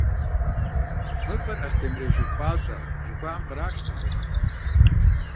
Мывэр «Астемырей жыг пӀащӀэ» жыхуаӀэм къришат абы.